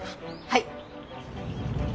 はい！